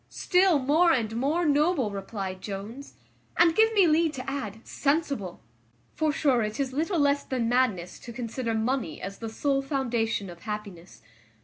"Still more and more noble," replied Jones; "and give me leave to add, sensible: for sure it is little less than madness to consider money as the sole foundation of happiness.